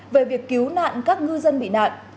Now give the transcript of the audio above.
về việc cứu nạn các ngư dân bị nạn